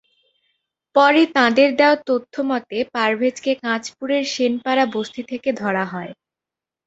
পরে তাঁদের দেওয়া তথ্যমতে পারভেজকে কাঁচপুরের সেনপাড়া বস্তি থেকে ধরা হয়।